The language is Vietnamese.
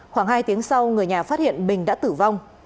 khoảng hai tiếng sau người nhà phát hiện bình đã tử vong